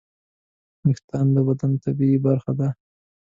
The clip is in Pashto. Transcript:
وېښتيان د بدن طبیعي برخه ده.